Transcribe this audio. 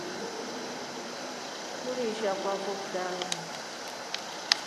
Tuliisha kwafo kitrau.